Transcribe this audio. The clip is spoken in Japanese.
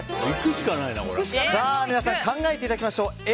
皆さん、考えていただきましょう。